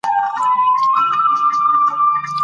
سره به دروند نه وېل شي.